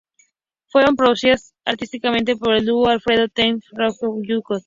Fueron producidas artísticamente por el dúo Alfredo Toth-Pablo Guyot.